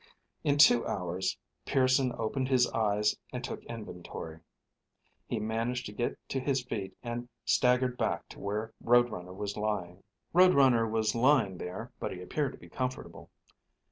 In two hours Pearson opened his eyes and took inventory. He managed to get to his feet and staggered back to where Road Runner was lying. Road Runner was lying there, but he appeared to be comfortable.